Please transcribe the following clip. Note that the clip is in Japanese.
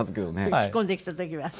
引っ込んできた時は。